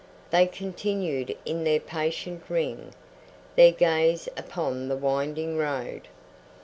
They continued in their patient ring, their gaze upon the winding road.